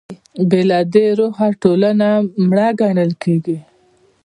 بې له دې روحه ټولنه مړه ګڼل کېږي.